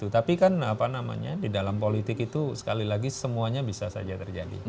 tapi kan apa namanya di dalam politik itu sekali lagi semuanya bisa saja terjadi